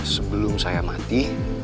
sebelum saya mati